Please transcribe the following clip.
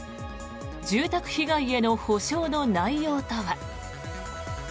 住宅被害への補償の内容とは。